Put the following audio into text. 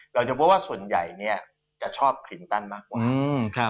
เราจะบอกว่าส่วนใหญ่จะชอบเคลียร์รีคินตันมากกว่า